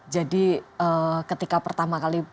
jadi ketika pertama kali